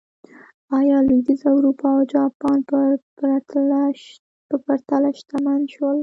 ایا لوېدیځه اروپا او جاپان په پرتله شتمن شول.